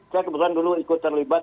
saya kebetulan dulu ikut terlibat